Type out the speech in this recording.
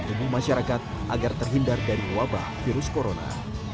kesehatan umum masyarakat agar terhindar dari wabah virus corona